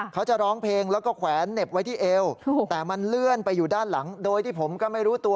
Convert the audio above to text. เขาจะร้องเพลงแล้วก็แขวนเน็บไว้ที่เอว